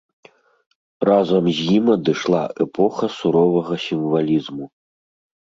Разам з ім адышла эпоха суровага сімвалізму.